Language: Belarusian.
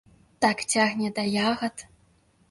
Так цягне да ягад.